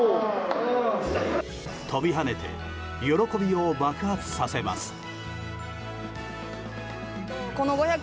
飛び跳ねて喜びを爆発させます。